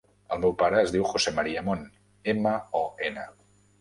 El meu pare es diu José maria Mon: ema, o, ena.